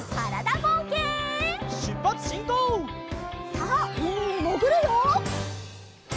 さあうみにもぐるよ！